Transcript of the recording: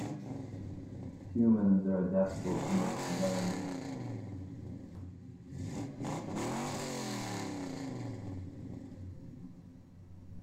Humans are adaptable to most environments.